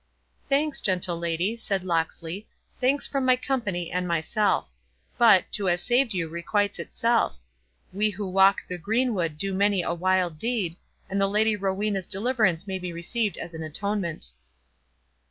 "Thanks, gentle lady," said Locksley; "thanks from my company and myself. But, to have saved you requites itself. We who walk the greenwood do many a wild deed, and the Lady Rowena's deliverance may be received as an atonement."